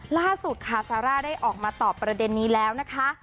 ล่าสุดค่ะซาร่าได้ออกมาตอบประเด็นนี้แล้วนะคะ